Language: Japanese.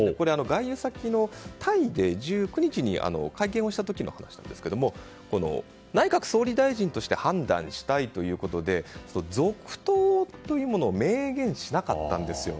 外遊先のタイで１９日に会見をした時の話ですが内閣総理大臣として判断したいということで続投というものを明言しなかったんですよ。